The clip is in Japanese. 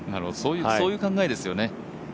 そういう考えですよね。